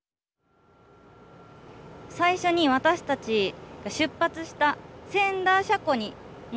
最初に私たちが出発した千田車庫に戻ってきました。